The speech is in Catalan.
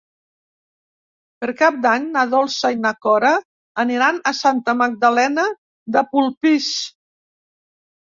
Per Cap d'Any na Dolça i na Cora aniran a Santa Magdalena de Polpís.